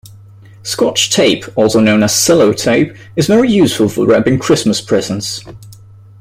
Scotch tape, also known as Sellotape, is very useful for wrapping Christmas presents